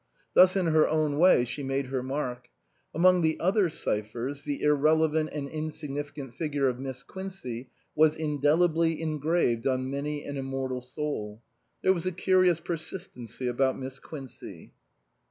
Thus in her own way she made her mark. Among the other cyphers, the irrelevant and insignificant figure of Miss Quincey was indelibly engraved on many an immortal soul. There was a curious persistency about Miss Quincey.